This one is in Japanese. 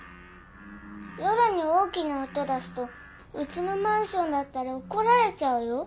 夜に大きな音出すとうちのマンションだったらおこられちゃうよ。